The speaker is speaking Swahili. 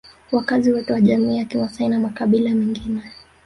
Wakazi wote wa jamii ya kimasai na makabila mengine